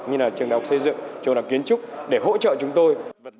như là trường đại học xây dựng trường đại học kiến trúc để hỗ trợ chúng tôi